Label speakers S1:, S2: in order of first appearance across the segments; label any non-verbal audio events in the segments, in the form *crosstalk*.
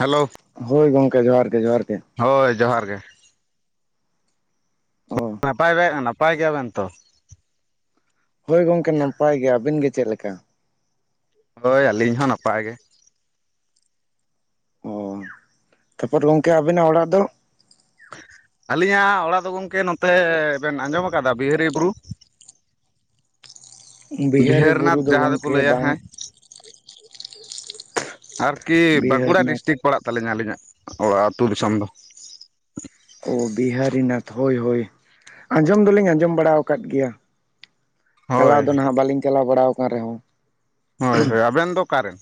S1: Hello
S2: ᱦᱳᱭ ᱜᱚᱝᱠᱮ ᱡᱚᱦᱟᱨ ᱜᱮ ᱡᱚᱦᱟᱨ ᱜᱮ ᱾
S1: ᱦᱳᱭ ᱡᱚᱦᱟᱨ ᱜᱮ ᱾
S2: ᱚ
S1: ᱱᱟᱯᱟᱭ ᱵᱮ ᱱᱟᱯᱟᱭ ᱜᱮᱭᱟ ᱵᱮᱱ ᱛᱚ?
S2: ᱦᱳᱭ ᱜᱚᱝᱠᱮ ᱱᱟᱯᱟᱭ ᱜᱮ, ᱟᱹᱵᱤᱱ ᱜᱮ ᱪᱮᱫ ᱞᱮᱠᱟ?
S1: ᱦᱳᱭ ᱟᱹᱞᱤᱧ ᱦᱚᱸ ᱱᱟᱯᱟᱭ ᱜᱮ ᱾
S2: ᱚ ᱛᱟᱯᱚᱨ ᱜᱚᱝᱠᱮ ᱟᱵᱤᱱᱟᱜ ᱚᱲᱟᱜ ᱫᱚ?
S1: ᱟᱹᱞᱤᱧᱟᱜ ᱚᱲᱟᱜ ᱫᱚ ᱜᱚᱢᱠᱮ ᱱᱚᱛᱮ ᱵᱮᱱ ᱟᱸᱡᱚᱢ ᱟᱠᱟᱫᱟ ᱵᱤᱦᱟᱹᱨᱤ ᱵᱩᱨᱩ?
S2: ᱵᱤᱦᱟᱨᱤ ᱵᱩᱨᱩ
S1: ᱵᱤᱦᱮᱨᱱᱟᱛᱷ
S2: ᱫᱚ
S1: ᱡᱟᱦᱟᱸ ᱫᱚᱠᱚ
S2: ᱜᱚᱢᱠᱮ
S1: ᱞᱟᱹᱭᱟ
S2: ᱵᱟᱝ
S1: ᱦᱮᱸ ᱟᱨᱠᱤ ᱵᱟᱸᱠᱩᱲᱟ
S2: ᱵᱤᱦᱟᱨᱤᱱᱟᱛᱷ
S1: ᱰᱤᱥᱴᱤᱠ ᱯᱟᱲᱟᱜ ᱛᱟᱹᱞᱤᱧᱟ ᱟᱹᱞᱤᱧᱟᱜ ᱚᱲᱟᱜ ᱟᱹᱛᱩ ᱫᱤᱥᱚᱢ ᱫᱚ ᱾
S2: ᱚ ᱵᱤᱦᱟᱨᱤᱱᱟᱛᱷ, ᱦᱳᱭ ᱦᱳᱭ ᱾ ᱟᱸᱡᱚᱢ ᱫᱚᱞᱤᱧ ᱟᱸᱡᱚᱢ ᱵᱟᱲᱟ ᱟᱠᱟᱫ ᱜᱮᱭᱟ,
S1: ᱦᱳᱭ
S2: ᱪᱟᱞᱟᱣ ᱫᱚ ᱱᱟᱦᱟᱜ ᱵᱟᱞᱤᱧ ᱪᱟᱞᱟᱣ ᱵᱟᱲᱟ ᱟᱠᱟᱣ ᱨᱮᱦᱚᱸ᱾
S1: ᱦᱳᱭ ᱦᱳᱭ ᱟᱵᱮᱱ ᱫᱚ ᱚᱠᱟᱨᱮᱱ?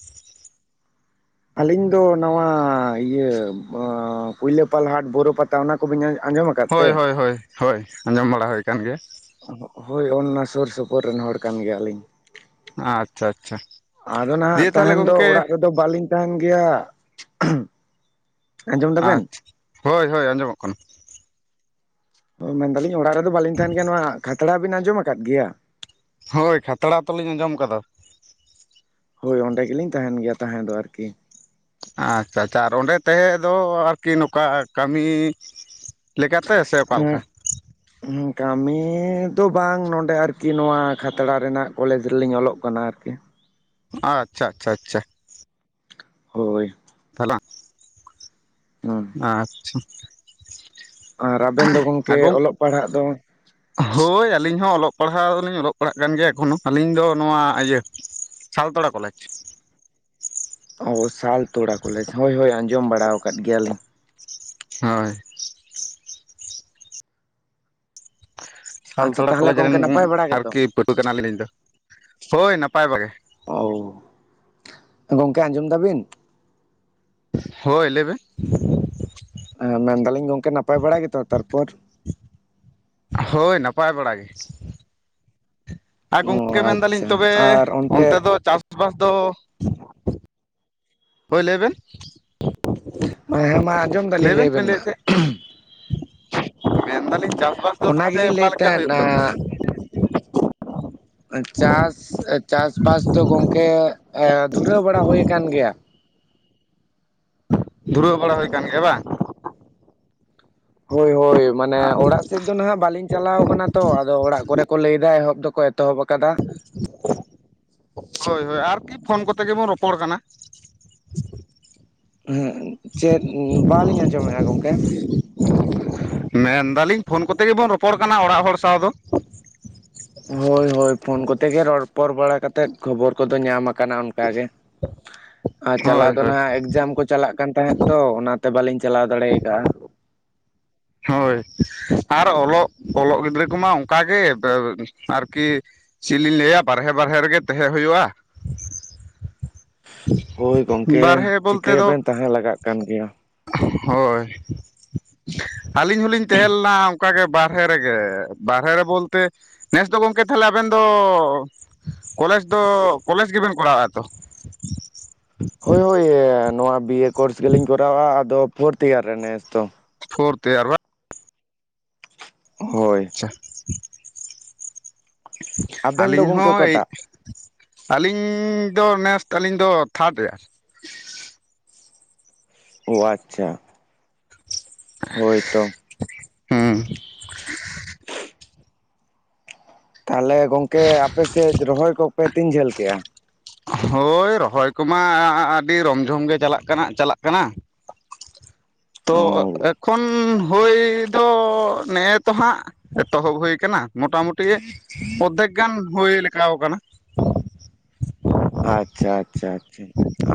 S2: ᱟᱹᱞᱤᱧ ᱫᱚ ᱱᱟᱣᱟ ᱤᱭᱟᱹ ᱠᱩᱭᱞᱟᱹᱯᱟᱞ ᱦᱟᱴ, ᱵᱳᱨᱳ ᱯᱟᱛᱟ ᱚᱱᱟ ᱠᱚᱵᱤᱱ ᱟᱸᱡᱚᱢ? ᱟᱠᱟᱫ ᱛᱮ
S1: ᱦᱳᱭ ᱦᱳᱭ ᱦᱳᱭ, ᱦᱳᱭ ᱟᱸᱡᱚᱢ ᱵᱟᱲᱟ ᱦᱩᱭ ᱠᱟᱱ ᱜᱮᱭᱟ ᱾
S2: ᱦᱳᱭ ᱚᱱ-ᱚᱱᱟ ᱥᱩᱨ ᱥᱩᱯᱩᱨ ᱨᱮᱱ ᱦᱚᱲ ᱠᱟᱱ ᱜᱮᱭᱟᱞᱤᱧ
S1: ᱟᱪᱪᱷᱟ ᱟᱪᱪᱷᱟ
S2: ᱾ ᱟᱫᱚ ᱱᱟᱦᱟᱜ
S1: ᱫᱤᱭᱮ ᱛᱟᱦᱚᱞᱮ
S2: ᱛᱟᱦᱮᱱ ᱫᱚ
S1: ᱜᱚᱢᱠᱮ
S2: ᱚᱲᱟᱜ ᱨᱮ ᱛᱚ ᱵᱟᱹᱞᱤᱧ ᱛᱟᱦᱮᱱ ᱜᱮᱭᱟ *unintelligible* ᱟᱸᱡᱚᱢ ᱫᱟᱵᱮᱱ
S1: ᱟᱪᱷᱟ, ᱦᱳᱭ ᱦᱳᱭ ᱟᱸᱡᱚᱢᱚᱜ ᱠᱟᱱᱟ ᱾
S2: ᱢᱮᱱᱫᱟᱞᱤᱧ ᱚᱲᱟᱜ ᱨᱮᱫᱚ ᱵᱟᱹᱞᱤᱧ ᱛᱟᱦᱮᱱ ᱜᱮᱭᱟ, ᱱᱚᱣᱟ ᱠᱷᱟᱛᱲᱟ ᱵᱤᱱ ᱟᱸᱡᱚᱢ ᱟᱠᱟᱫ ᱜᱮᱭᱟ?
S1: ᱦᱳᱭ ᱠᱷᱟᱛᱲᱟ ᱛᱚᱞᱤᱧ ᱟᱸᱡᱚᱢ ᱠᱟᱫᱟ ᱾
S2: ᱦᱳᱭ ᱚᱸᱰᱮ ᱜᱮᱞᱤᱧ ᱛᱟᱦᱮᱱ ᱜᱮᱭᱟ ᱛᱟᱦᱮᱸ ᱫᱚ ᱟᱨᱠᱤ ᱾
S1: ᱟᱪᱪᱷᱟ ᱪᱟ ᱟᱨ ᱚᱸᱰᱮ ᱛᱟᱦᱮᱸ ᱫᱚ ᱟᱨᱠᱤ ᱱᱚᱝᱠᱟ ᱠᱟᱹᱢᱤ ᱞᱮᱠᱟᱛᱮ ᱥᱮ ᱚᱠᱟᱞᱮᱠᱟ?
S2: ᱠᱟᱹᱢᱤ ᱫᱚ ᱵᱟᱝ ᱱᱚᱸᱰᱮ ᱟᱨᱠᱤ ᱱᱚᱣᱟ ᱠᱷᱟᱛᱲᱟ ᱨᱮᱱᱟᱜ ᱠᱚᱞᱮᱡᱽ ᱨᱮᱞᱤᱧ ᱚᱞᱚᱜ ᱠᱟᱱᱟ ᱟᱨᱠᱤ ᱾
S1: ᱟᱪᱪᱷᱟ ᱟᱪᱪᱷᱟ ᱟᱪᱪᱷᱟ ᱾
S2: ᱦᱳᱭ ᱾
S1: *unintelligible*
S2: ᱦᱩᱸ
S1: ᱟᱪᱪᱷᱟ ᱾
S2: ᱟᱨ ᱟᱵᱮᱱ ᱫᱚ ᱜᱚᱢᱠᱮ
S1: ᱜᱚᱝ
S2: ᱚᱞᱚᱜ ᱯᱟᱲᱦᱟᱜ ᱫᱚ?
S1: ᱦᱳᱭ ᱟᱹᱞᱤᱧ ᱦᱚᱸ ᱚᱞᱚᱜ ᱯᱟᱲᱦᱟᱣᱞᱤᱧ ᱚᱞᱚᱜ ᱯᱟᱲᱦᱟᱜ ᱠᱟᱱ ᱜᱮᱭᱟ ᱮᱠᱷᱚᱱᱚ ᱟᱹᱞᱤᱧ ᱫᱚ ᱱᱚᱣᱟ ᱤᱭᱟᱹ ᱥᱟᱞᱛᱚᱲᱟ ᱠᱚᱞᱮᱡᱽ᱾
S2: ᱚ ᱥᱟᱞᱛᱚᱲᱟ ᱠᱚᱞᱮᱡᱽ ᱦᱳᱭ ᱦᱳᱭ ᱟᱸᱡᱚᱢ ᱵᱟᱲᱟ ᱟᱠᱟᱫ ᱜᱮᱭᱟᱞᱤᱧ ᱾
S1: ᱦᱳᱭ ᱾
S2: ᱟᱪᱪᱷᱟ
S1: ᱥᱞᱛᱟᱲᱟ
S2: ᱛᱟᱦᱚᱞᱮ
S1: ᱠᱚᱞᱮᱡᱽ ᱨᱮᱱ
S2: ᱜᱚᱝᱠᱮ ᱱᱟᱯᱟᱭ ᱵᱟᱲᱟ
S1: ᱟᱨᱠᱤ
S2: ᱜᱮᱛᱚ?
S1: ᱯᱟᱹᱴᱷᱣᱟᱹ ᱠᱟᱱᱟᱞᱤᱧ ᱟᱹᱞᱤᱧ ᱫᱚ, ᱦᱳᱭ ᱱᱟᱯᱟᱭ ᱵᱟᱜᱮ ᱾
S2: ᱚᱳᱻ, ᱜᱚᱝᱠᱮ ᱟᱸᱡᱚᱢ ᱫᱟᱵᱤᱱ?
S1: ᱦᱳᱭ ᱞᱟᱹᱭᱵᱮᱱ ᱾
S2: ᱦᱮᱸ ᱢᱮᱱᱫᱟᱞᱤᱧ ᱜᱚᱝᱠᱮ ᱱᱟᱯᱟᱭ ᱵᱟᱲᱟ ᱜᱮᱛᱚ ᱛᱟᱨᱯᱚᱨ?
S1: ᱦᱳᱭ ᱱᱟᱯᱟᱭ ᱵᱟᱲᱟ ᱜᱮ ᱾ ᱟᱨ
S2: ᱚ
S1: ᱜᱚᱢᱠᱮ ᱢᱮᱱ ᱫᱟᱞᱤᱧ
S2: ᱟᱪᱪᱷᱟ
S1: ᱛᱚᱵᱮ
S2: ᱟᱨ
S1: ᱚᱱᱛᱮ ᱫᱚ ᱪᱟᱥ ᱪᱟᱥᱵᱟᱥ ᱫᱚ, ᱦᱳᱭ ᱞᱟᱹᱭ ᱵᱮᱱ
S2: ᱦᱮᱸ ᱢᱟ ᱟᱸᱡᱚᱢ
S1: ᱾ ᱞᱟᱹᱭ
S2: ᱫᱟᱞᱤᱧ
S1: ᱵᱮᱱ ᱪᱮᱫ ᱵᱮᱱ
S2: ᱢᱟ
S1: ᱞᱟᱹᱭᱮᱫ ᱛᱟᱦᱮᱸ ᱾ ᱢᱮᱱᱫᱟᱞᱤᱧ ᱪᱟᱥᱵᱟᱥ ᱫᱚ
S2: ᱚᱱᱟ
S1: ᱛᱟᱦᱚᱞᱮ
S2: ᱜᱮᱞᱤᱧ
S1: ᱚᱠᱟᱮ
S2: ᱞᱟᱹᱭᱮᱫ
S1: ᱞᱮᱠᱟ
S2: ᱛᱟᱦᱮᱸᱫ
S1: ᱦᱩᱭᱩᱜ ᱠᱟᱱᱟ?
S2: ᱱᱟ ᱪᱟᱥ ᱪᱟᱥᱵᱟᱥ ᱫᱚ ᱜᱚᱝᱠᱮ ᱮ ᱫᱷᱩᱨᱟᱹᱣ ᱵᱟᱲᱟ ᱦᱩᱭ ᱟᱠᱟᱱ ᱜᱮᱭᱟ ᱾
S1: ᱫᱷᱩᱨᱟᱹᱣ ᱵᱟᱲᱟ ᱦᱩᱭ ᱠᱟᱱ ᱜᱮᱭᱟ ᱵᱟᱝ?
S2: ᱦᱳᱭ ᱦᱳᱭ ᱢᱟᱱᱮ ᱚᱲᱟᱜ ᱥᱮᱫ ᱫᱚ ᱱᱟᱦᱟᱜ ᱵᱟᱹᱞᱤᱧ ᱪᱟᱞᱟᱣ ᱟᱠᱟᱱᱟ ᱛᱚ ᱟᱫᱚ ᱚᱲᱟᱜ ᱠᱚᱨᱮ ᱠᱚ ᱞᱟᱹᱭ ᱮᱫᱟ ᱮᱦᱚᱵ ᱫᱚᱠᱚ ᱮᱛᱚᱦᱚᱵ ᱟᱠᱟᱫᱟ ᱾
S1: ᱦᱳᱭ ᱦᱳᱭ, ᱟᱨᱠᱤ ᱯᱷᱳᱱ ᱠᱚᱛᱮ ᱜᱮᱵᱚᱱ ᱨᱚᱯᱚᱲ ᱠᱟᱱᱟ ᱾
S2: ᱦᱮᱸ ᱪᱮᱫ ᱵᱟᱞᱤᱧ ᱟᱸᱡᱚᱢᱮᱼᱟ ᱜᱚᱝᱠᱮ ᱾
S1: ᱢᱮᱱ ᱫᱟᱞᱤᱧ ᱯᱷᱳᱱ ᱠᱚᱛᱮ ᱜᱮᱵᱚᱱ ᱨᱚᱯᱚᱲ ᱠᱟᱱᱟ ᱚᱲᱟᱜ ᱦᱚᱲ ᱥᱟᱶ ᱫᱚ ᱾
S2: ᱦᱳᱭ ᱦᱳᱭ ᱯᱷᱳᱱ ᱠᱚᱛᱮ ᱜᱮ ᱨᱚᱯᱚᱲ ᱵᱟᱲᱟ ᱠᱟᱛᱮᱫ ᱠᱷᱚᱵᱚᱨ ᱠᱚᱫᱚ ᱧᱟᱢ ᱟᱠᱟᱱᱟᱫᱟ᱾ ᱚᱱᱠᱟᱟᱜ ᱜᱮ ᱟᱨ ᱪᱟᱞᱟᱣ
S1: ᱦᱳᱭ
S2: ᱫᱚ
S1: ᱦᱳᱭ
S2: ᱱᱟᱟᱜ ᱮᱠᱡᱟᱢ ᱠᱚ ᱪᱟᱞᱟᱜ ᱠᱟᱱ ᱛᱟᱦᱮᱸᱫ ᱛᱚ᱾ ᱚᱱᱟᱛᱮ ᱵᱟᱹᱞᱤᱧ ᱪᱟᱞᱟᱣ ᱫᱟᱲᱮ ᱟᱠᱟᱟᱜᱼᱟ ᱾
S1: ᱦᱳᱭ ᱟᱨ ᱚᱞᱚᱜ ᱚᱞᱚᱜ ᱜᱤᱫᱽᱨᱟᱹ ᱠᱚᱢᱟ ᱚᱱᱠᱟᱜ ᱜᱮ ᱟᱨᱠᱤᱼᱼ ᱪᱮᱫ ᱞᱤᱧ ᱞᱟᱹᱭᱟ ᱵᱟᱦᱨᱮ ᱵᱟᱦᱮ ᱨᱮᱜᱮ ᱛᱟᱦᱮᱸ ᱦᱩᱭᱩᱜᱼᱟ᱾
S2: ᱦᱳᱭ ᱜᱚᱝᱠᱮ
S1: ᱵᱟᱨᱦᱮ ᱵᱚᱞᱛᱮ ᱫᱚ
S2: ᱪᱤᱠᱟᱹᱭᱟᱵᱮᱱ ᱛᱟᱦᱮᱸ ᱞᱟᱜᱟᱜ ᱠᱟᱱ ᱜᱮᱭᱟ᱾
S1: ᱦᱳᱭ ᱟᱹᱞᱤᱧ ᱦᱚᱞᱤᱧ ᱛᱟᱦᱮᱸᱞ ᱞᱮᱱᱟ᱾ ᱚᱱᱠᱟᱜᱮ ᱵᱟᱦᱮᱨᱮ ᱨᱮᱜᱮ ᱵᱟᱨᱦᱮ ᱨᱮ ᱵᱚᱞᱛᱮ ᱱᱮᱥ ᱫᱚ ᱜᱚᱢᱠᱮ ᱛᱟᱦᱞᱮ ᱟᱵᱮᱱ ᱫᱚ ᱠᱚᱞᱮᱡᱽ ᱫᱚ ᱠᱚᱞᱮᱡᱽ ᱜᱮᱵᱮᱱ ᱠᱚᱨᱟᱜᱼᱟ ᱛᱚ?
S2: ᱦᱳᱭ ᱦᱳᱭ ᱱᱚᱣᱟ ᱵᱤᱭᱮ ᱠᱳᱨᱥ ᱜᱮᱞᱤᱧ ᱠᱚᱨᱟᱣᱟ, ᱟᱫᱚ ᱯᱷᱳᱨᱛᱷ ᱤᱭᱟᱨ ᱨᱮ ᱱᱮᱥ ᱛᱚ ᱾
S1: ᱯᱷᱳᱨᱰ ᱤᱭᱟᱨ
S2: ᱦᱳᱭ
S1: ᱟᱪᱪᱷᱟ ᱾
S2: ᱟᱵᱮᱱ ᱫᱚ
S1: ᱟᱹᱞᱤᱧ
S2: ᱜᱚᱝᱠᱮ
S1: ᱦᱚᱸ
S2: ᱚᱠᱟᱴᱟᱜ
S1: ᱟᱹᱞᱤᱧ ᱫᱚ ᱱᱮᱥ ᱟᱹᱞᱤᱧ ᱫᱚ ᱛᱷᱟᱨᱰ ᱮᱭᱟᱨ ᱾
S2: ᱳ ᱟᱪᱪᱷᱟ ᱾ ᱦᱳᱭ ᱛᱚ ᱾
S1: ᱦᱮᱸ ᱾
S2: ᱛᱟᱦᱚᱞᱮ ᱜᱚᱝᱠᱮ ᱟᱯᱮᱥᱮᱫ ᱨᱚᱦᱚᱭ ᱠᱚᱯᱮ ᱛᱤᱱ ᱡᱷᱟᱹᱞ ᱠᱮᱜᱼᱟ?
S1: ᱦᱳᱭ ᱨᱚᱦᱚᱭ ᱠᱚᱢᱟ ᱟᱹᱰᱤ ᱨᱚᱢᱡᱷᱚᱢ ᱜᱮ ᱪᱟᱞᱟᱜ ᱠᱟᱱᱟ ᱪᱟᱞᱟᱜ ᱠᱟᱱᱟ ᱾ ᱛᱚ
S2: ᱚ
S1: ᱮᱠᱷᱚᱱ ᱦᱳᱭ ᱫᱚ ᱱᱮᱜᱼᱮ ᱛᱚ ᱦᱟᱸᱜ ᱮᱛᱚᱦᱚᱵ ᱦᱩᱭ ᱟᱠᱟᱱᱟ ᱢᱚᱴᱟᱢᱩᱴᱤ ᱚᱫᱷᱮᱠ ᱜᱟᱱ ᱦᱩᱭ ᱞᱮᱠᱟ ᱠᱟᱱᱟ ᱾
S2: ᱟᱪᱪᱷᱟ ᱟᱪᱪᱷᱟ ᱟᱪᱷᱟ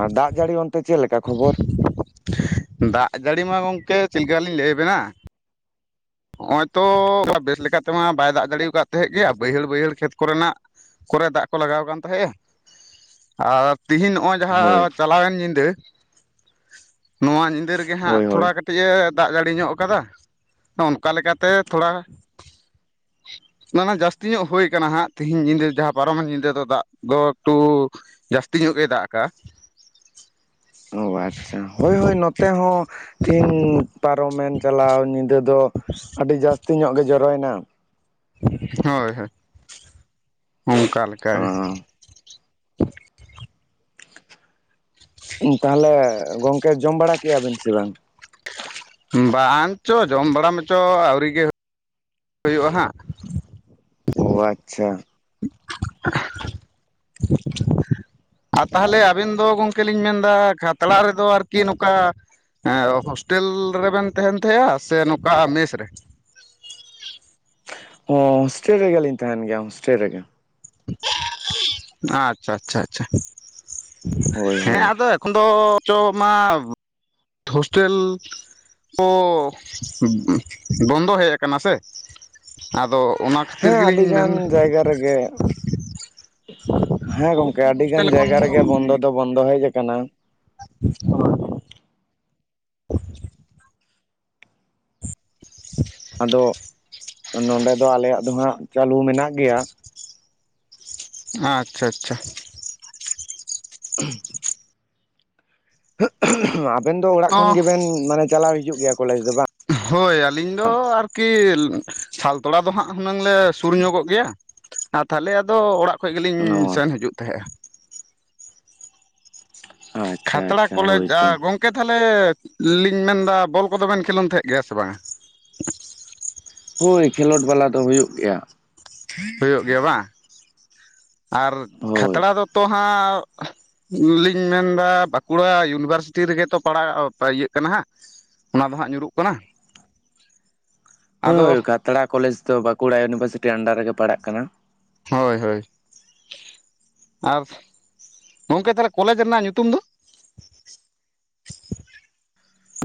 S2: ᱟᱨ ᱫᱟᱜ ᱡᱟᱹᱲᱤ ᱚᱱᱛᱮ ᱪᱮᱫ ᱞᱮᱠᱟ ᱠᱷᱚᱵᱚᱨ?
S1: ᱫᱟᱜ ᱡᱟᱹᱲᱤ ᱢᱟ ᱜᱚᱝᱠᱮ ᱪᱮᱫᱠᱟ ᱞᱤᱧ ᱞᱟᱹᱭᱟᱵᱮᱱᱟ ᱾ ᱱᱚᱜᱼᱚᱭ ᱛᱚ ᱵᱮᱥ ᱞᱮᱠᱟᱛᱮᱢᱟ ᱵᱟᱭ ᱫᱟᱜ ᱡᱟᱲᱤᱠᱟᱫ ᱛᱟᱦᱮᱸᱫ ᱜᱮ ᱵᱟᱹᱭᱦᱟᱹᱲ ᱵᱟᱹᱭᱦᱟᱹᱲ ᱠᱷᱮᱛ ᱠᱚᱨᱮᱱᱟᱜ‌ ᱠᱚᱨᱮ ᱫᱟᱜ ᱠᱚ ᱞᱟᱜᱟᱣ ᱟᱠᱟᱱ ᱛᱟᱦᱮᱸᱜᱼᱟ, ᱟᱨ ᱛᱤᱦᱤᱧ ᱱᱚᱜᱼᱚᱭ
S2: ᱦᱳᱭ
S1: ᱡᱟᱦᱟᱸ ᱪᱟᱞᱟᱣᱮᱱ ᱧᱤᱫᱟᱹ ᱱᱚᱣᱟ ᱧᱤᱫᱟᱹ ᱨᱮᱜᱮ ᱦᱟᱸᱜ
S2: ᱦᱳᱭ ᱦᱳᱭ
S1: ᱛᱷᱚᱲᱟ ᱠᱟᱹᱴᱤᱡ ᱠᱟᱹᱴᱤᱡ ᱮ ᱫᱟᱜ ᱡᱟᱹᱲᱤ ᱧᱚᱜ ᱟᱠᱟᱫᱟ ᱾ ᱚᱱᱠᱟᱞ ᱞᱮᱠᱟᱛᱮ ᱛᱷᱚᱲᱟ *inaudible* ᱡᱟᱹᱥᱛᱤ ᱧᱚᱜ ᱦᱩᱭ ᱠᱟᱱᱟ ᱦᱟᱸᱜ ᱛᱮᱦᱤᱧ ᱧᱤᱫᱟᱹ ᱡᱟᱦᱟᱸ ᱯᱟᱨᱚᱢᱮᱱ ᱧᱤᱫᱟᱹ ᱫᱚ ᱫᱟᱜ ᱫᱚ ᱮᱠᱴᱩ‌, ᱡᱟᱹᱥᱛᱤ ᱧᱚᱜ ᱜᱮ ᱫᱟᱜ ᱠᱟᱜ-ᱟ᱾
S2: ᱚ ᱟᱪᱪᱷᱟ ᱦᱳᱭ ᱦᱳᱭ ᱱᱚᱛᱮ ᱦᱚᱸ ᱛᱤᱦᱤᱧ ᱯᱟᱨᱚᱢᱮᱱ ᱪᱟᱞᱟᱣ ᱧᱤᱫᱟᱹ ᱱᱚᱛᱮ ᱫᱚ ᱟᱹᱰᱤ ᱡᱟᱹᱥᱛᱤ ᱧᱚᱜ ᱜᱮ ᱡᱚᱨᱚᱭᱮᱱᱟ ᱾
S1: ᱦᱳᱭ ᱦᱳᱭ ᱚᱱᱠᱟ ᱞᱮ ᱞᱮᱠᱟ ᱜᱮ ᱾
S2: ᱚ ᱛᱟᱦᱚᱞᱮ ᱜᱚᱝᱠᱮ ᱡᱚᱢ ᱵᱟᱲᱟ ᱠᱮᱜᱭᱟ ᱵᱤᱱ ᱥᱮ ᱵᱟᱝ?
S1: ᱵᱟᱝ ᱪᱚ ᱡᱚᱢ ᱵᱟᱲᱟ ᱢᱮᱪᱚ ᱟᱹᱣᱨᱤ ᱜᱮ ᱾ ᱦᱩᱭᱩᱜᱼᱟ ᱦᱟᱸᱜ,
S2: ᱚ ᱟᱪᱪᱷᱟ ᱾
S1: *unintelligible* ᱟᱨ ᱛᱟᱦᱚᱞᱮ ᱟᱵᱮᱱ ᱫᱚ ᱜᱚᱢᱠᱮ ᱞᱤᱧ ᱢᱮᱱᱫᱟ ᱠᱷᱟᱛᱲᱟ ᱨᱮᱫᱚ ᱟᱨᱠᱤ ᱱᱚᱝᱠᱟᱼᱼ ᱦᱮᱸ ᱦᱳᱥᱴᱮᱞ ᱨᱮᱵᱮᱱ ᱛᱟᱦᱮᱱ ᱛᱟᱦᱮᱸᱼᱟ ᱥᱮ ᱱᱚᱝᱠᱟ ᱢᱮᱥ ᱨᱮ?
S2: ᱦᱚᱸ ᱦᱳᱥᱴᱮᱞ ᱨᱮᱜᱮᱞᱤᱧ ᱛᱟᱦᱮᱱ ᱜᱮᱭᱟ ᱦᱳᱥᱴᱮᱞ ᱨᱮᱜᱮ ᱾
S1: ᱟᱪᱪᱷᱟ ᱟᱪᱪᱷᱟ ᱟᱪᱪᱷᱟ
S2: ᱦᱳᱭ
S1: ᱾ ᱦᱮᱸ
S2: ᱦᱳᱭ
S1: ᱟᱫᱚ ᱮᱠᱷᱚᱱ ᱫᱚ ᱪᱚ ᱢᱟ, ᱦᱳᱥᱴᱮᱞ ᱠᱚ ᱵᱚᱱᱫᱚ ᱦᱮᱡ ᱟᱠᱟᱱᱟ ᱥᱮ? ᱟᱫᱚ‌,
S2: ᱦᱮᱸ ᱟᱹᱰᱤᱜᱟᱱ ᱡᱟᱭᱜᱟ ᱨᱮᱜᱮ ᱾ ᱦᱮᱸ
S1: ᱵᱚᱦᱩᱛ
S2: ᱜᱚᱝᱠᱮ
S1: ᱵᱚᱦᱩᱛ
S2: ᱟᱹᱰᱤ ᱜᱟᱱ
S1: ᱦᱳᱥᱴᱮᱞ ᱮᱠᱷᱚᱱ
S2: ᱡᱟᱭᱜᱟ ᱨᱮᱜᱮ ᱵᱚᱱᱫᱚ ᱫᱚ ᱵᱚᱱᱫᱚ ᱦᱮᱡ ᱟᱠᱟᱱᱟ ᱾
S1: *unintelligible* *unintelligible*
S2: ᱟᱫᱚ ᱱᱚᱰᱮ ᱫᱚ ᱟᱞᱮᱭᱟᱜ ᱫᱚ ᱦᱟᱸᱜ ᱪᱟᱹᱞᱩ ᱢᱮᱱᱟᱜ ᱜᱮᱭᱟ᱾
S1: ᱟᱪᱪᱷᱟ ᱟᱪᱪᱷᱟ
S2: *inaudible* ᱟᱵᱮᱱ ᱫᱚ ᱚᱲᱟᱜ
S1: ᱛᱚ
S2: ᱠᱷᱚᱱ ᱜᱮᱵᱮᱱ ᱢᱟᱱᱮ ᱪᱟᱞᱟᱣ ᱦᱤᱡᱩᱜ ᱜᱮᱭᱟ ᱠᱚᱞᱮᱡᱽ ᱫᱚ?
S1: ᱦᱳᱭ ᱟᱹᱞᱤᱧ ᱫᱚ ᱟᱨᱠᱤ ᱥᱟᱞᱛᱚᱲᱟ ᱫᱚ ᱦᱟᱸᱜ ᱦᱩᱱᱟᱹᱝ ᱞᱮ ᱥᱩᱨ ᱧᱚᱜᱚᱜ ᱜᱮᱭᱟ᱾ ᱟᱨ ᱛᱟᱦᱚᱞᱮ ᱟᱫᱚ ᱚᱲᱟᱜ ᱠᱷᱡ ᱜᱮᱞᱤᱧ
S2: ᱵᱟᱝ ᱚ
S1: ᱥᱮᱱ ᱦᱤᱡᱩᱜ ᱛᱟᱦᱮᱸᱫᱼᱟ᱾
S2: ᱟᱪᱪᱷᱟ
S1: ᱠᱷᱟᱛᱲᱟ
S2: ᱟᱪᱪᱷᱟ
S1: ᱠᱚᱞᱮᱡᱽ
S2: ᱦᱳᱭᱛᱚ
S1: ᱜᱚᱝᱠᱮ ᱛᱟᱦᱚᱞᱮ ᱞᱤᱧ ᱢᱮᱱᱫᱟ ᱵᱚᱞ ᱠᱚᱫᱚ ᱵᱮᱱ ᱠᱷᱮᱞᱳᱰ ᱛᱟᱦᱮᱸᱫ ᱜᱮᱭᱟ ᱥᱮ ᱵᱟᱝᱟ?
S2: ᱦᱳᱭ ᱠᱷᱮᱞᱳᱰ ᱵᱟᱞᱟ ᱫᱚ ᱦᱩᱭᱩᱜ ᱜᱮᱭᱟ᱾
S1: ᱦᱳᱭᱳᱜ ᱜᱮᱭᱟ ᱵᱟᱝ ᱟᱨ
S2: ᱦᱳᱭ
S1: ᱠᱷᱟᱛᱲᱟ ᱫᱚᱛᱚ ᱦᱟᱸᱜᱼᱼ ᱞᱤᱧ ᱢᱮᱱᱫᱟ ᱵᱟᱸᱠᱩᱲᱟ ᱤᱭᱩᱱᱤᱵᱷᱟᱨᱥᱤᱴᱤ ᱨᱮᱜᱮ ᱛᱚ ᱯᱟᱲᱦᱟᱜ ᱤᱭᱟᱹᱜ ᱠᱟᱱᱟ ᱦᱟᱸᱜ᱾ ᱚᱱᱟ ᱫᱚ ᱦᱟᱜ ᱧᱩᱨᱩᱜ ᱠᱟᱱᱟ᱾
S2: ᱦᱳᱭ
S1: ᱟᱫᱚ
S2: ᱦᱳᱭ ᱠᱷᱟᱛᱲᱟ ᱠᱚᱞᱮᱡᱽ ᱫᱚ ᱵᱟᱸᱠᱩᱲᱟ ᱤᱭᱩᱱᱤᱵᱷᱟᱨᱥᱤᱴᱤ ᱟᱱᱰᱟᱨ ᱨᱮᱜᱮ ᱯᱟᱲᱟᱜ ᱠᱟᱱᱟ᱾
S1: ᱦᱳᱭ ᱦᱳᱭ ᱟᱨ ᱜᱚᱝᱠᱮ ᱛᱟᱦᱚᱞᱮ ᱠᱚᱞᱮᱡᱽ ᱨᱮᱱᱟᱜ ᱧᱩᱛᱩᱢ ᱫᱚ?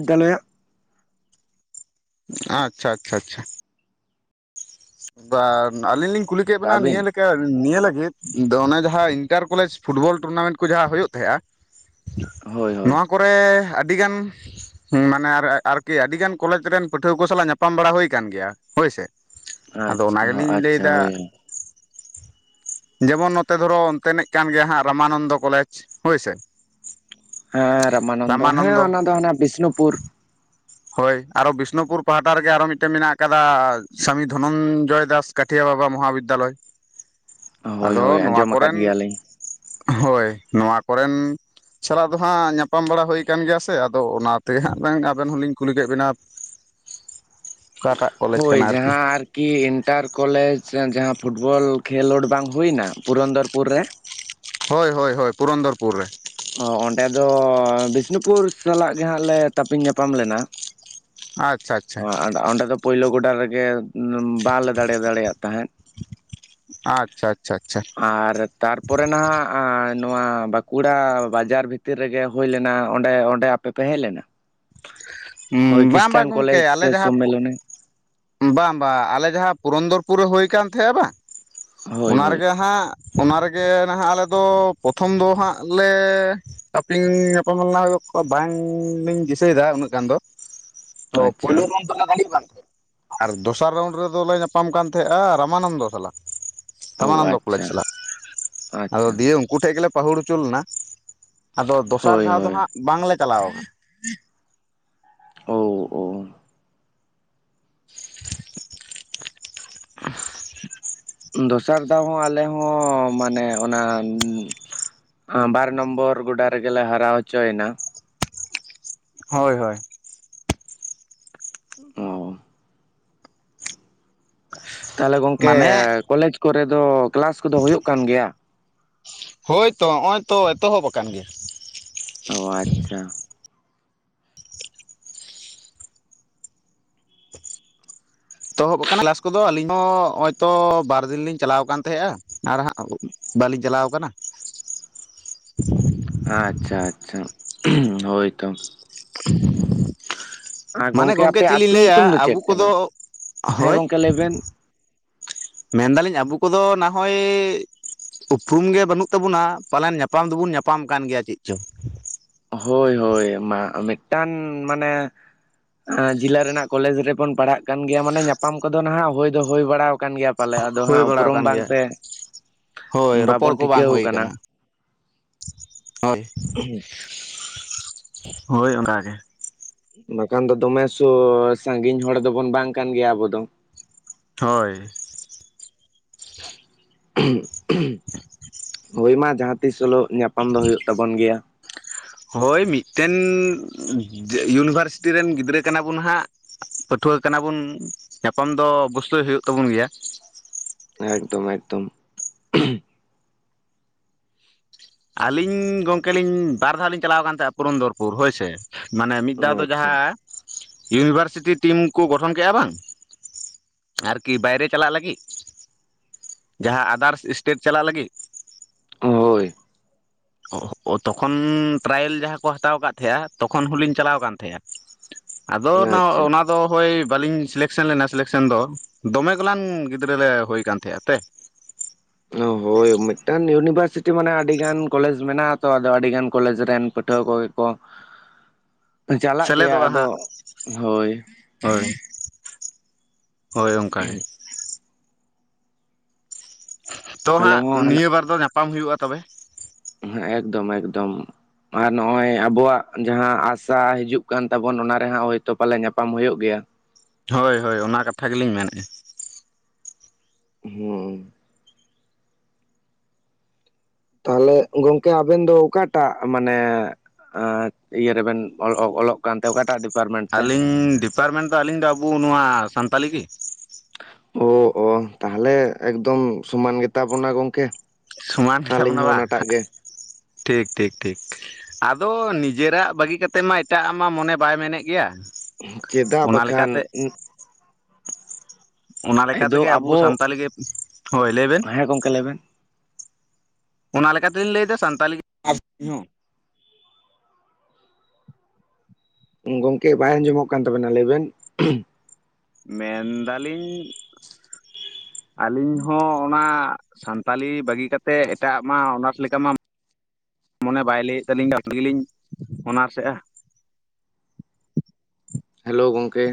S2: ᱜᱟᱞᱚᱭᱟᱜᱼᱼ
S1: ᱟᱪᱪᱷᱟ ᱟᱪᱪᱷᱟ ᱟᱪᱪᱷᱟ᱾ ᱵᱟ ᱟᱞᱤᱧ ᱞᱤᱧ ᱠᱩᱞᱤ ᱠᱮᱫ ᱵᱤᱱᱟ
S2: ᱟᱹᱵᱤᱱ
S1: ᱱᱤᱭᱟᱹ ᱞᱮᱠᱼᱼ ᱱᱤᱭᱟᱹ ᱞᱟᱹᱜᱤᱫ ᱚᱱᱮ ᱡᱟᱦᱟᱸ ᱤᱱᱴᱟᱨ ᱠᱚᱞᱮᱡᱽ ᱯᱷᱩᱴᱵᱚᱞ ᱴᱩᱨᱱᱟᱢᱮᱱᱴ ᱠᱚ ᱡᱟᱦᱟᱸ ᱦᱩᱭᱩᱜ ᱛᱟᱦᱮᱸᱜᱼᱟᱼᱼ
S2: ᱦᱳᱭ ᱦᱳᱭ᱾
S1: ᱠᱚᱨᱮ ᱟᱹᱰᱤᱜᱟᱱᱼᱼ ᱦᱮᱸ ᱢᱟᱱᱮ ᱟᱨᱠᱤ ᱟᱹᱰᱤ ᱜᱟᱱ ᱠᱚᱞᱮᱡᱽ ᱨᱮᱱ ᱯᱟᱹᱴᱷᱩᱣᱟᱹ ᱠᱚ ᱥᱟᱞᱟᱜ ᱧᱟᱯᱟᱢ ᱵᱟᱲᱟ ᱦᱩᱭ ᱟᱠᱟᱱ ᱜᱮᱭᱟ ᱦᱳᱭᱥᱮ᱾ ᱟᱫᱚ ᱚᱱᱟ
S2: ᱟᱪᱪᱷᱟ
S1: ᱜᱮᱞᱤᱧ
S2: ᱟᱪᱪᱷᱟ
S1: ᱞᱟᱹᱭᱫᱟ᱾
S2: ᱦᱳᱭ ᱦᱳᱭ
S1: ᱡᱮᱢᱚᱱ ᱱᱚᱛᱮ ᱫᱷᱚᱨᱚ ᱚᱱᱛᱮᱱᱤᱡ ᱠᱟᱱ ᱜᱮᱭᱟ ᱦᱟᱸᱜ ᱨᱟᱢᱟᱱᱚᱱᱫᱚ ᱠᱚᱞᱮᱡᱽ ᱦᱳᱭ ᱥᱮ᱾
S2: ᱦᱮᱸ ᱨᱟᱢᱟᱱᱚᱱᱫᱚ ᱦᱮᱸ ᱚᱱᱟ ᱫᱚ ᱦᱟᱱᱟ ᱵᱤᱥᱱᱩᱯᱩᱨ᱾
S1: ᱦᱳᱭ ᱟᱨᱚ ᱵᱤᱥᱱᱩᱯᱩᱨ ᱯᱟᱦᱴᱟ ᱨᱮᱜᱮ ᱟᱨᱚ ᱢᱤᱫᱴᱮᱱ ᱢᱮᱱᱟᱜ ᱟᱠᱟᱫᱟ ᱥᱟᱢᱤ ᱫᱷᱚᱱᱚᱱᱡᱚᱭ ᱫᱟᱥ᱾ ᱠᱟᱴᱷᱤᱭᱟ ᱵᱟᱵᱟ ᱢᱚᱦᱟ ᱵᱤᱫᱽᱫᱟᱞᱚᱭ
S2: ᱦᱳᱭ
S1: ᱟᱫᱚ
S2: ᱦᱳᱭ
S1: ᱱᱚᱣᱟ
S2: ᱟᱸᱡᱚᱢ ᱟᱠᱟᱫ
S1: ᱠᱚᱨᱮᱱᱼᱼ
S2: ᱜᱮᱭᱟᱞᱤᱧ
S1: ᱦᱳᱭ ᱱᱚᱣᱟ ᱠᱚᱨᱮᱱ᱾ ᱥᱟᱞᱟᱜ ᱫᱚ ᱦᱟᱸᱜ ᱧᱟᱯᱟᱢ ᱵᱟᱲᱟ ᱦᱩᱭ ᱠᱟᱱ ᱜᱮᱭᱟ ᱥᱮ ᱟᱫᱚ ᱚᱱᱟ ᱛᱮ ᱜᱮ ᱦᱟᱸᱜ ᱟᱵᱮᱱ ᱦᱚᱸᱞᱤᱧᱼᱼ ᱠᱩᱞᱤ ᱠᱮᱫ ᱵᱤᱱᱟ᱾
S2: ᱦᱳᱭ ᱡᱟᱦᱟᱸ ᱟᱨᱼᱼ ᱠᱤ ᱤᱱᱴᱟᱨ ᱠᱚᱞᱮᱡᱽ ᱡᱟᱦᱟᱸ ᱯᱷᱩᱴᱵᱚᱞ ᱠᱷᱮᱞᱳᱰ ᱵᱟᱝ ᱦᱩᱭᱱᱟ ᱯᱩᱨᱚᱱᱫᱚᱨᱯᱩᱨ ᱨᱮᱼᱼ
S1: ᱦᱳᱭ ᱦᱳᱭ ᱦᱳᱭ ᱯᱩᱨᱚᱱᱫᱚᱨᱯᱩᱨ ᱨᱮ᱾
S2: ᱚ ᱚᱸᱰᱮ ᱫᱚ ᱵᱤᱥᱱᱩᱯᱩᱨ ᱥᱟᱞᱟᱜ ᱜᱮ ᱦᱟᱸᱜ ᱞᱮ ᱛᱟᱹᱯᱤᱧ ᱧᱟᱯᱟᱢ ᱞᱮᱱᱟ᱾
S1: ᱟᱪᱪᱷᱟ ᱟᱪᱪᱷᱟ
S2: ᱚ ᱚᱸᱰᱮ ᱫᱚ ᱯᱳᱭᱞᱳ ᱜᱚᱰᱟ ᱨᱮᱜᱮ ᱵᱟᱞᱮ ᱫᱟᱲᱮ ᱫᱟᱲᱮᱭᱟᱜ ᱛᱟᱦᱮᱸᱫ᱾
S1: ᱟᱪᱪᱷᱟ ᱟᱪᱪᱷᱟ ᱟᱪᱪᱷᱟ᱾
S2: ᱟᱨ ᱛᱟᱨᱯᱚᱨᱮ ᱱᱟᱦᱟᱜ ᱱᱚᱣᱟ ᱵᱟᱸᱠᱩᱲᱟ ᱵᱟᱡᱟᱨ ᱵᱷᱤᱛᱤᱨ ᱨᱮᱜᱮᱼᱼ ᱦᱩᱭ ᱞᱮᱱᱟ ᱚᱸᱰᱮ ᱚᱸᱰᱮ ᱟᱯᱮ ᱯᱮ ᱦᱮᱡ ᱞᱮᱱᱟ?
S1: ᱩ
S2: ᱦᱳᱭ
S1: ᱵᱟᱝ
S2: ᱠᱷᱨᱤᱥᱴᱟᱱ
S1: ᱵᱟᱝ ᱜᱚᱝᱠᱮ
S2: ᱠᱚᱞᱮᱡᱽ
S1: ᱟᱞᱮ
S2: ᱥᱮ
S1: ᱡᱟᱦᱟᱸᱼᱼ
S2: ᱥᱚᱢᱢᱮᱞᱚᱱᱮ
S1: ᱵᱟᱝ ᱵᱟᱝ ᱟᱞᱮ ᱡᱟᱦᱟᱸ ᱯᱩᱨᱚᱱᱫᱚᱨᱯᱩᱨ ᱨᱮ ᱦᱳᱭ ᱠᱟᱱ ᱛᱟᱦᱮᱸᱜᱼᱟ ᱵᱟᱝ
S2: ᱦᱳᱭ
S1: ᱚᱱᱟ
S2: ᱦᱳᱭ
S1: ᱨᱮᱜᱮ ᱦᱟᱸᱜᱼᱼ ᱚᱱᱟ ᱨᱮᱜᱮ ᱱᱟᱦᱟᱜ ᱟᱞᱮ ᱫᱚ ᱯᱨᱚᱛᱷᱚᱢ ᱫᱚ ᱦᱟᱸᱜ ᱞᱮᱼᱼ ᱛᱟᱯᱤᱧ ᱧᱟᱯᱟᱢ ᱞᱮᱱᱟ ᱦᱩᱭᱩᱜ ᱵᱟᱝᱞᱤᱧ ᱫᱤᱥᱟᱹᱭᱮᱫᱟ ᱩᱱᱟᱹᱜ ᱜᱟᱱ ᱫᱚ᱾ ᱛᱚ
S2: ᱟᱪᱪᱷᱟ
S1: ᱯᱳᱭᱞᱳ ᱨᱚᱱ ᱫᱚ ᱚᱱᱮ ᱨᱟᱱᱤᱵᱟᱫ ᱥᱮᱫᱼᱼ ᱟᱨ ᱫᱚᱥᱟᱨ ᱨᱟᱣᱩᱱᱰ ᱨᱮᱫᱚᱞᱮ ᱧᱟᱯᱟᱢ ᱠᱟᱱ ᱛᱟᱦᱮᱸᱜᱼᱟ ᱨᱟᱟᱢᱟᱱᱚᱱᱫᱚ ᱥᱟᱞᱟᱜ᱾
S2: ᱚ
S1: ᱨᱟᱢᱟᱱᱚᱱᱫᱚ ᱠᱚᱞᱮᱡᱽ
S2: ᱟᱪᱪᱷᱟ
S1: ᱪᱟᱞᱟᱜ ᱟᱫᱚ
S2: ᱟᱪᱪᱷᱟ
S1: ᱫᱤᱭᱮ ᱩᱱᱼᱼ ᱩᱱᱠᱩ ᱴᱷᱮᱱ ᱜᱮᱞᱮ ᱯᱟᱹᱦᱩᱲ ᱦᱚᱪᱚ ᱞᱮᱱᱟ ᱟᱫᱚ ᱫᱚᱥᱟᱨ
S2: ᱦᱳᱭ
S1: ᱫᱷᱟᱣ ᱫᱚ
S2: ᱦᱳᱭ
S1: ᱦᱟᱸᱜ ᱵᱟᱝᱞᱮ ᱪᱟᱞᱟᱣ ᱟᱠᱟᱱᱟ᱾
S2: ᱳ ᱳ᱾
S1: *inaudible*
S2: ᱫᱚᱥᱟᱨ ᱫᱷᱟᱣ ᱦᱚᱸ ᱟᱞᱮ ᱦᱚᱸ ᱢᱟᱱᱮ ᱚᱱᱟᱼᱼ ᱵᱟᱨ ᱱᱚᱢᱵᱚᱨ ᱜᱚᱰᱟ ᱨᱮᱜᱮ ᱞᱮ ᱦᱟᱨᱟᱣ ᱦᱚᱪᱚᱭᱮᱱᱟ᱾
S1: ᱦᱳᱭ ᱦᱳᱭ᱾
S2: ᱚᱻ᱾ ᱛᱟᱦᱞᱮ ᱜᱚᱝᱠᱮ
S1: ᱢᱟᱱᱮ
S2: ᱠᱚᱞᱮᱡᱽ ᱠᱚᱨᱮ ᱫᱚ ᱠᱮᱞᱟᱥ ᱠᱚᱫᱚ ᱦᱩᱭᱩᱜ ᱠᱟᱱ ᱜᱮᱭᱟ?
S1: ᱦᱳᱭ ᱛᱚ ᱱᱚᱜᱼᱚᱭ ᱛᱚ ᱮᱛᱚᱦᱚᱵ ᱟᱠᱟᱱ ᱜᱮᱭᱟ᱾
S2: ᱚ ᱟᱪᱪᱷᱟ᱾
S1: *inaudible* ᱮᱛᱚᱦᱚᱵ ᱟᱠᱟᱱᱟ ᱠᱮᱞᱟᱥ ᱠᱚ ᱫᱚ ᱟᱞᱤᱧ ᱦᱚᱜᱼᱚᱭ ᱛᱚ ᱵᱟᱨ ᱫᱤᱱ ᱞᱤᱧ ᱪᱟᱞᱟᱣ ᱟᱠᱟᱱ ᱛᱟᱦᱮᱸᱜᱼᱟ᱾ ᱟᱨ ᱦᱟᱸᱜ ᱵᱟᱹᱞᱤᱧ ᱪᱟᱞᱟᱣ ᱠᱟᱱᱟ᱾
S2: ᱟᱪᱪᱷᱟ ᱟᱪᱪᱷᱟ ᱦᱳᱭ ᱛᱚ᱾ ᱟᱨ
S1: ᱢᱟᱱᱮ ᱜᱚᱝᱠᱮ ᱪᱮᱫ
S2: ᱟᱯᱮᱭᱟᱜ
S1: ᱞᱤᱧ
S2: ᱟᱹᱛᱩ
S1: ᱞᱟᱹᱭᱟ
S2: ᱧᱩᱛᱩᱢ ᱫᱚ
S1: ᱟᱵᱚ
S2: ᱪᱮᱫ
S1: ᱠᱚᱫᱚ,
S2: ᱠᱟᱱᱟ ᱦᱮᱸ
S1: ᱦᱳᱭᱼᱼ
S2: ᱜᱚᱝᱠᱮ ᱞᱟᱹᱭ ᱵᱮᱱ
S1: ᱢᱮᱱ ᱫᱟᱞᱤᱧ ᱟᱵᱩ ᱠᱚᱫᱚ ᱱᱟᱦᱚᱭᱼᱼ ᱩᱯᱨᱩᱢ ᱜᱮ ᱵᱟᱹᱱᱩᱜ ᱛᱟᱵᱩᱱᱟ ᱯᱟᱞᱮᱱ ᱧᱟᱯᱟᱢ ᱫᱚᱵᱚᱱ ᱧᱟᱯᱟᱢ ᱠᱟᱱ ᱜᱮᱭᱟ ᱪᱮᱫ ᱪᱚᱝ᱾
S2: ᱦᱳᱭ ᱦᱳᱭ ᱢᱟ ᱢᱤᱫ ᱴᱟᱝ ᱢᱟᱱᱮ᱾ ᱡᱮᱞᱟ ᱨᱮᱱᱟᱜ ᱠᱚᱞᱮᱡᱽ ᱨᱮᱵᱚᱱ ᱯᱟᱲᱦᱟᱜ ᱠᱟᱱ ᱜᱮᱭᱟ ᱢᱟᱱᱮ ᱧᱟᱯᱟᱢ ᱠᱚᱫᱚ ᱱᱟᱦᱟᱜ ᱦᱩᱭ ᱫᱚ ᱦᱩᱭ ᱵᱟᱲᱟ ᱠᱟᱱ ᱜᱮᱭᱟ᱾ ᱯᱟᱞᱮᱜ ᱟᱫᱚ
S1: ᱦᱩᱭ
S2: ᱦᱟᱸᱜ
S1: ᱵᱟᱲᱟ
S2: ᱩᱯᱨᱩᱢ
S1: ᱟᱠᱟᱱ
S2: ᱵᱟᱝ
S1: ᱜᱮᱭᱟ
S2: ᱛᱮ
S1: ᱦᱳᱭ ᱨᱚᱯᱚᱲ
S2: ᱵᱟᱵᱚᱱ
S1: ᱠᱚ ᱵᱟᱝ
S2: ᱴᱷᱤᱠᱟᱹᱣ
S1: ᱦᱩᱭ
S2: ᱠᱟᱱᱟ᱾
S1: ᱟᱠᱟᱱᱟ ᱦᱳᱭ, ᱦᱳᱭ ᱚᱱᱟᱠᱟ ᱜᱮ᱾
S2: ᱵᱟᱠᱷᱟᱱ ᱫᱚ ᱫᱚᱢᱮ ᱥᱚ ᱥᱟᱸᱜᱤᱧ ᱦᱚᱲ ᱫᱚ ᱵᱚᱱ ᱵᱟᱝ ᱠᱟᱱ ᱜᱮᱭᱟ ᱟᱵᱚ ᱫᱚ᱾
S1: ᱦᱳᱭ
S2: ᱦᱳᱭ ᱢᱟ ᱡᱟᱦᱟᱸ ᱛᱤᱥ ᱦᱤᱞᱳᱜ ᱧᱟᱯᱟᱢ ᱫᱚ ᱦᱩᱭᱩᱜ ᱛᱟᱵᱚᱱ ᱜᱮᱭᱟ᱾
S1: ᱦᱳᱭ ᱢᱤᱫ ᱴᱮᱱ, ᱤᱭᱩᱱᱤᱵᱷᱟᱨᱥᱤᱴᱤ ᱨᱮᱱ ᱜᱤᱫᱽᱨᱟᱹ ᱠᱟᱱᱟ ᱵᱚᱱ ᱦᱟᱸᱜ᱾ ᱯᱟᱹᱴᱷᱩᱣᱟᱹ ᱠᱟᱱᱟ ᱵᱚᱱ ᱧᱟᱯᱟᱢ ᱫᱚ ᱚᱵᱚᱥᱥᱳᱭ ᱦᱳᱭᱳᱜ ᱛᱟᱵᱚᱱ ᱜᱮᱭᱟ᱾
S2: ᱮᱠᱫᱚᱢ ᱮᱠᱫᱚᱢ
S1: ᱟᱹᱞᱤᱧ ᱜᱚᱝᱠᱮ ᱞᱤᱧ ᱵᱟᱨ ᱫᱷᱟᱣ ᱞᱤᱧ ᱪᱟᱞᱟᱣ ᱠᱟᱱ ᱛᱟᱦᱮᱸᱱᱟ ᱯᱩᱨᱚᱱᱫᱚᱨᱯᱩᱨ ᱦᱳᱭ ᱥᱮ᱾ ᱢᱟᱱᱮ ᱢᱤᱫ ᱫᱷᱟᱣ
S2: ᱚ
S1: ᱫᱚ
S2: ᱟᱪᱪᱷᱟ
S1: ᱡᱟᱦᱟᱸ, ᱤᱭᱩᱱᱤᱵᱷᱟᱨᱥᱤᱴᱤ ᱴᱤᱢ ᱠᱚ ᱜᱚᱴᱷᱚᱱ ᱠᱮᱫᱼᱟ ᱵᱟᱝ᱾ ᱟᱨᱠᱤ ᱵᱟᱭᱨᱮ ᱪᱟᱞᱟᱜ ᱞᱟᱹᱜᱤᱫ, ᱡᱟᱸᱦᱟ ᱟᱫᱟᱨᱥ ᱮᱥᱴᱮᱴ ᱪᱟᱞᱟᱜ ᱞᱟᱹᱜᱤᱫ᱾
S2: ᱦᱳᱭ
S1: ᱛᱚ ᱠᱷᱚᱱ ᱴᱮᱨᱟᱭᱮᱞ ᱡᱟᱦᱟᱸ ᱠᱚ ᱦᱟᱛᱟᱣ ᱠᱟᱜ ᱛᱟᱦᱮᱸᱜᱼᱟ, ᱛᱚ ᱠᱷᱚᱱ ᱦᱚ ᱞᱤᱧ ᱪᱟᱞᱟᱣ ᱠᱟᱱ ᱛᱟᱦᱮᱸᱜ-ᱟ᱾ ᱟᱫᱚ ᱱᱟ
S2: ᱟᱪᱪᱷᱟ
S1: ᱚᱱᱟ ᱫᱚ ᱦᱳᱭ ᱵᱟᱞᱤᱧ ᱥᱤᱞᱮᱠᱥᱮᱱ ᱞᱮᱱᱟ ᱥᱤᱞᱮᱠᱥᱮᱱ ᱫᱚ, ᱫᱚᱢᱮ ᱜᱤᱞᱟᱱ ᱜᱤᱫᱽᱨᱟᱹ ᱞᱮ ᱦᱳᱭ ᱟᱠᱟᱱ ᱛᱟᱸᱦᱮ ᱛᱮ᱾
S2: ᱦᱳᱭ ᱢᱤᱫ ᱴᱟᱝ ᱤᱭᱩᱱᱤᱵᱷᱟᱨᱥᱤᱴᱤ ᱢᱟᱱᱮ ᱟᱹᱰᱤ ᱜᱟᱱ ᱠᱚᱞᱮᱡᱽ ᱢᱮᱱᱟᱜ ᱛᱚ ᱟᱫᱚ ᱟᱹᱰᱤ ᱜᱟᱱ ᱠᱚᱞᱮᱡᱽ ᱨᱮᱱ ᱯᱟᱹᱴᱷᱩᱣᱟᱹ ᱠᱚ᱾ ᱠᱚ
S1: *unintelligible*
S2: ᱪᱟᱞᱟᱜ ᱜᱮᱭᱟ
S1: ᱥᱮᱞᱮᱫᱚᱜᱼᱟ
S2: ᱟᱫᱚ
S1: ᱦᱟᱸᱜ
S2: ᱦᱳᱭ᱾
S1: ᱦᱳᱭ, ᱦᱳᱭ ᱚᱱᱠᱟ ᱜᱮ᱾ ᱛᱚ
S2: ᱟᱞᱮ
S1: ᱦᱟᱸᱜ
S2: ᱦᱚᱸ
S1: ᱱᱤᱭᱟᱹ ᱵᱟᱨ ᱫᱚ, ᱧᱟᱯᱟᱢ ᱦᱩᱭᱩᱜᱼᱟ ᱛᱚᱵᱮ᱾
S2: ᱦᱮᱸ ᱮᱠᱫᱚᱢ ᱮᱠᱫᱚᱢ ᱟᱨ ᱱᱚᱜᱼᱚᱭ ᱟᱵᱚᱣᱟᱜ ᱡᱟᱦᱟᱸ ᱟᱥᱟ ᱦᱤᱡᱩᱜ ᱠᱟᱱ, ᱛᱟᱵᱚᱱ ᱚᱱᱟ ᱨᱮᱦᱟᱸᱜ ᱦᱳᱭ ᱛᱳ ᱯᱟᱞᱮ ᱧᱟᱯᱟᱢ ᱦᱳᱭᱳᱜ ᱜᱮᱭᱟ᱾
S1: ᱦᱳᱭ ᱦᱳᱭ ᱚᱱᱟ ᱠᱟᱛᱷᱟ ᱜᱮ ᱞᱤᱧ ᱢᱮᱱᱮᱫᱼᱟ᱾
S2: *unintelligible* ᱛᱟᱦᱞᱮ ᱜᱚᱝᱠᱮ ᱟᱵᱮᱱ ᱫᱚ ᱚᱠᱟ ᱴᱟᱜ ᱢᱟᱱᱮ᱾ ᱤᱭᱟᱹ ᱨᱮᱵᱮᱱ ᱚᱞᱚᱜ ᱠᱟᱱ ᱛᱮ ᱚᱠᱟᱴᱟᱜᱼᱼ
S1: ᱟᱹᱞᱤᱧ ᱰᱤᱯᱟᱨᱢᱮᱱᱴ ᱫᱚ ᱟᱹᱞᱤᱧ ᱟᱵᱚ ᱱᱚᱣᱟ ᱥᱟᱱᱛᱟᱞᱤ ᱜᱮ᱾
S2: ᱚ ᱚ ᱛᱟᱦᱞᱮ ᱮᱠᱫᱚᱢ ᱥᱚᱢᱟᱱ ᱜᱮᱛᱟ ᱵᱚᱱᱟ ᱜᱚᱝᱠᱮ᱾
S1: ᱥᱚᱢᱟᱱ ᱜᱮᱭᱟ ᱵᱚᱱ,
S2: ᱟᱹᱞᱤᱧ ᱦᱚᱸ ᱚᱱᱟᱴᱟᱜ ᱜᱮ
S1: ᱴᱷᱤᱠ ᱴᱷᱤᱠ ᱴᱷᱤᱠ᱾ ᱟᱫᱚ ᱱᱤᱡᱮᱨᱟᱜ ᱵᱟᱹᱜᱤ ᱠᱟᱛᱮ ᱢᱟ ᱮᱴᱟᱜ ᱟᱜ ᱢᱟ ᱢᱚᱱᱮ ᱵᱟᱭ ᱢᱮᱱᱮᱫ ᱜᱮᱭᱟ᱾
S2: ᱪᱮᱫᱟᱜ
S1: ᱚᱱᱟ
S2: ᱵᱟᱠᱷᱟᱱ
S1: ᱞᱮᱠᱟᱛᱮ ᱚᱱᱟᱠᱟ ᱞᱮᱠᱟ ᱛᱮᱜᱮ ᱟᱵᱚ ᱥᱟᱱᱛᱟᱞᱤ ᱜᱮ ᱦᱳᱭ ᱞᱟᱹᱭ ᱵᱮᱱ᱾
S2: ᱦᱮᱸ ᱜᱚᱝᱠᱮ ᱞᱟᱹᱭ ᱵᱮᱱ᱾
S1: ᱚᱱᱟ ᱞᱮᱠᱟ ᱛᱮᱞᱤᱧ ᱞᱟᱹᱭ ᱫᱟ ᱥᱟᱱᱛᱟᱞᱤ *inaudible*
S2: ᱜᱚᱝᱠᱮ ᱵᱟᱭ ᱟᱸᱡᱚ ᱢᱚᱜ ᱠᱟᱱ ᱛᱟᱵᱮᱱᱟ ᱞᱟᱹᱭ ᱵᱮᱱ᱾
S1: ᱢᱮᱱ ᱫᱟᱞᱤᱧ ᱟᱹᱞᱤᱧ ᱦᱚᱸ ᱚᱱᱟ ᱥᱟᱱᱛᱟᱞᱤ ᱵᱟᱹᱜᱤ ᱠᱟᱛᱮᱫ, ᱮᱴᱟᱜ ᱟᱜ ᱢᱟ ᱚᱱᱟᱨᱥ ᱞᱮᱠᱟ ᱢᱟ᱾ ᱢᱚᱱᱮ ᱵᱟᱭ ᱞᱟᱹᱭᱮᱫ ᱛᱟᱹᱟᱞᱞᱤᱧᱟ ᱫᱚ *inaudible* ᱚᱱᱟᱨᱥᱮᱫᱼᱟ
S2: ᱦᱮᱞᱳ ᱜᱚᱝᱠᱮ